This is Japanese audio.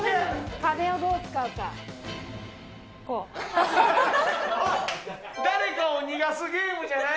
壁をどう使うか、おい！